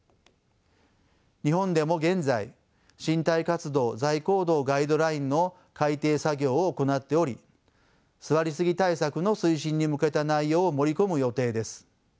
日本でも現在「身体活動・座位行動ガイドライン」の改訂作業を行っており座りすぎ対策の推進に向けた内容を盛り込む予定です。